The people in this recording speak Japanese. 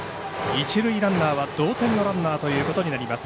一塁ランナーは同点のランナーということになります。